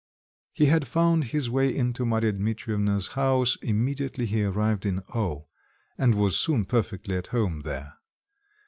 He had found his way into Marya Dmitrievna's house immediately he arrived in O , and was soon perfectly at home there.